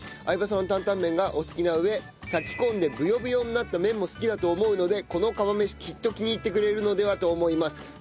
相葉さんは担々麺がお好きな上炊き込んでブヨブヨになった麺も好きだと思うのでこの釜飯きっと気に入ってくれるのではと思います。